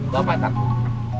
gak pak takut